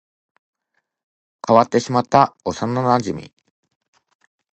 変わってしまった幼馴染